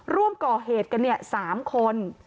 ร่วมก่อเหตุกันเนี่ย๓คน